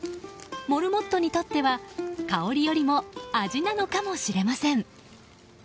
モルモットにとっては香りよりも味なのかもしれません。